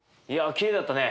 きれいだったね。